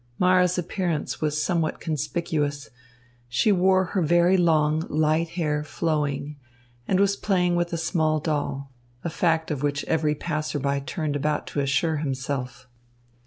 Mara's appearance was somewhat conspicuous. She wore her very long, light hair flowing, and was playing with a small doll, a fact of which every passerby turned about to assure himself.